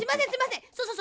そうそうそうそう。